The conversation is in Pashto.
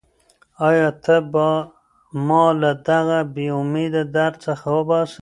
ایا ته به ما له دغه بېامیده درد څخه وباسې؟